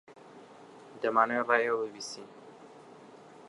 دەمانەوێت ڕای ئێوە ببیستین.